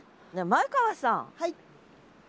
前川さん。